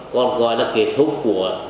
còn gọi là kết thúc